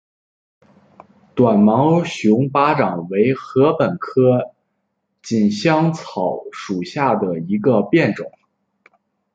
短毛熊巴掌为禾本科锦香草属下的一个变种。